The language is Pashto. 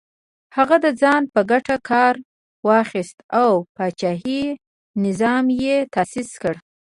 هغه د ځان په ګټه کار واخیست او پاچاهي نظام یې تاسیس کړ.